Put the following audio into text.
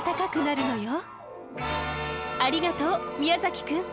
ありがとう宮崎くん。